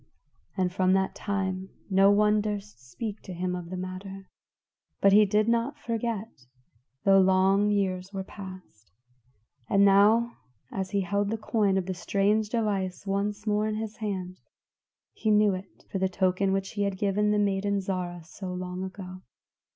And from that time no one durst speak to him of the matter. But he did not forget, though long years were passed. And now as he held the coin of strange device once more in his hand, he knew it for the token which he had given the maiden, Zarah, so long ago.